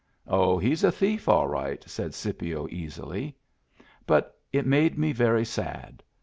" Oh, he's a thief all right," said Scipio, easily. But it made me very sad.